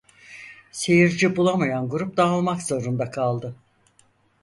Seyirci bulamayan grup dağılmak zorunda kaldı.